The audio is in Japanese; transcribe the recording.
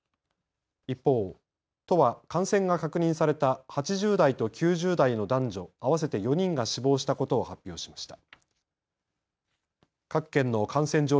一方、都は感染が確認された８０代と９０代の男女合わせて４人が死亡したことを発表しました。